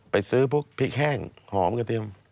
ไปซื้อพวกพริกแห้งหอมกระเทียม